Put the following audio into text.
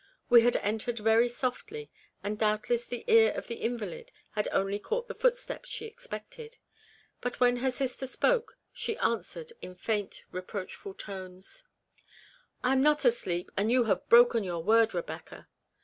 We had entered very softly, and doubtless the ear of the invalid had only caught the footstep she expected ; but when her sister spoke, she answered, in faint, reproachful tones' REBECCAS REMORSE. 209 " I am not asleep ; and you have broken your word, Rebecca."